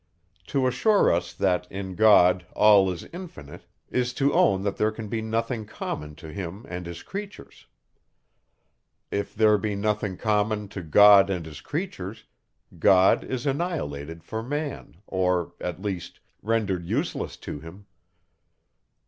To assure us, that, in God, all is infinite, is to own that there can be nothing common to him and his creatures. If there be nothing common to God and his creatures, God is annihilated for man, or, at least, rendered useless to him.